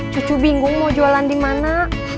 cucu bingung mau jualan dimana